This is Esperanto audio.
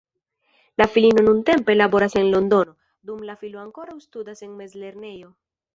La filino nuntempe laboras en Londono, dum la filo ankoraŭ studas en mezlernejo.